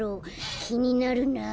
きになるなあ。